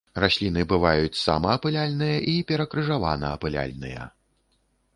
Расліны бываюць самаапыляльныя і перакрыжаванаапыляльныя.